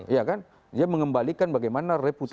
iya kan dia mengembalikan bagaimana reputasi